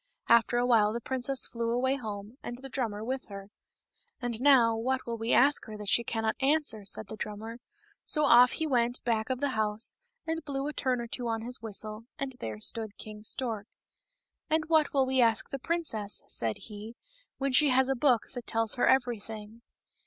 After a while the princess flew away home, and the drummer with her. " And, now, what will we ask her that she cannot answer ?" said the drummer ; so off he went back of. the house, and blew a turn or two on his whistle, and there stood King Stork. " And what will we ask the princess," said he, " when she has a book that tells her everything?"